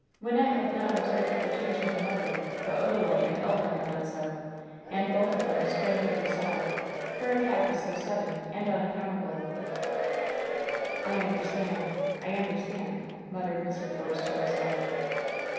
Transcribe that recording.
Wyn nette had not observed the change in her mother; but Odalite and Elva had done so, and both of them sprang to her side. Her attack was so sudden and imaccount^ able." "I understand! I understand!" muttered Mr. Force to himself.